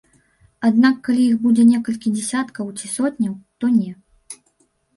Аднак калі іх будзе некалькі дзясяткаў ці сотняў, то не.